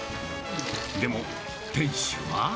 でも、店主は。